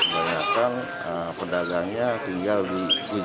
banyakkan pedagangnya tinggal di